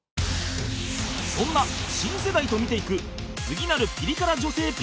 そんな新世代と見ていく次なるピリ辛女性